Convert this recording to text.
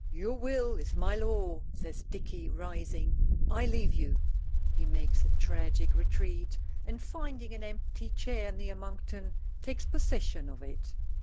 "Your will is my law," says Dicky, rising. "I leave you!" He makes a tragic, retreat, and finding an empty chair near Monkton takes possession of it.